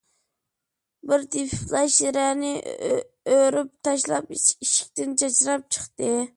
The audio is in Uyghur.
بىر تېپىپلا شىرەنى ئۆرۈپ تاشلاپ، ئىشىكتىن چاچراپ چىقتى.